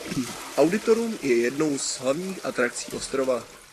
Auditorium je jednou z hlavních atrakcí ostrova.